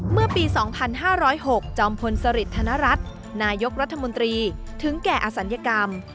เมื่อปี๒๕๐๖จอมพลสริทธนรัฐนายกรัฐมนตรีถึงแก่อศัลยกรรม